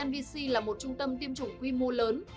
mvc là một trung tâm tiêm chủng quy mô lớn